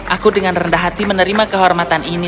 aku dengan rendah hati menerima kehormatan ini